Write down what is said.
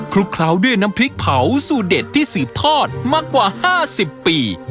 ลุกเคล้าด้วยน้ำพริกเผาสูตรเด็ดที่สืบทอดมากว่า๕๐ปี